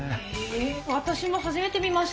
私も初めて見ました。